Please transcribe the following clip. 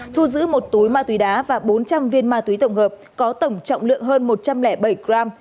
thu giữ một túi ma túy đá và bốn trăm linh viên ma túy tổng hợp có tổng trọng lượng hơn một trăm linh bảy gram